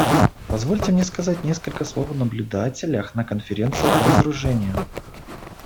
Позвольте мне сказать несколько слов о наблюдателях на Конференции по разоружению.